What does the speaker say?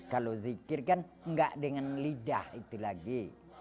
kalau zikir kan enggak dengan lidah itu lagi